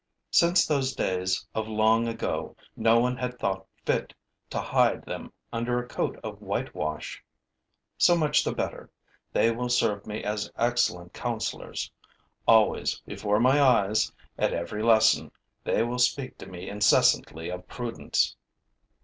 Since those days of long ago, no one had thought fit to hide them under a coat of whitewash. So much the better: they will serve me as excellent counselors. Always before my eyes, at every lesson, they will speak to me incessantly of prudence.